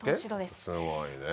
すごいね！